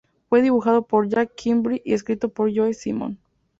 Fue dibujado por Jack Kirby y escrito por Joe Simon.